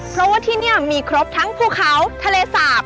เพราะว่าที่นี่มีครบทั้งภูเขาทะเลสาบ